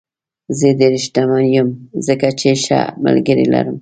زه ډېر شتمن یم ځکه چې ښه ملګري لرم.